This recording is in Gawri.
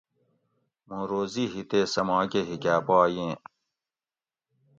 مُوں روزی ہی تے سۤہ ماکۤہ ہیکاۤ پا ییں